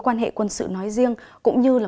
quan hệ quân sự nói riêng cũng như là